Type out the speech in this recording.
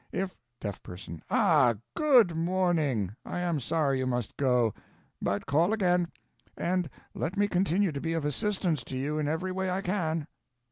If Deaf Person. Ah! GOOD morning; I am sorry you must go. But call again, and let me continue to be of assistance to you in every way I can.